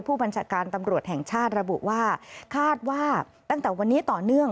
ผู้บัญชาการตำรวจแห่งชาติระบุว่าคาดว่าตั้งแต่วันนี้ต่อเนื่อง